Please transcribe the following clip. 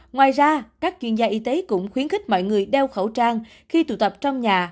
ngoài ra các chuyên gia y tế cũng khuyến khích mọi người đeo khẩu trang khi tụ tập trong nhà